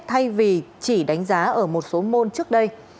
thay vì chỉ đánh giá ở một số môn trước đây